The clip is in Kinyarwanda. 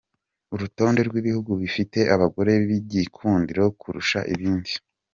Urutonde rw’ibihugu bifite abagore b’igikundiro kurusha ibindi:.